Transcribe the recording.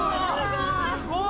すごい！